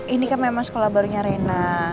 ini kan memang sekolah barunya rena